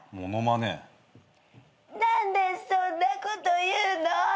「何でそんなこと言うの」